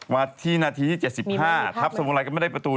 ที่นาทีที่๗๕ทัพสมุไรก็ไม่ได้ประตู